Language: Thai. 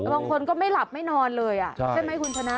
บางคนก็ไม่หลับไม่นอนเลยใช่ไหมคุณชนะ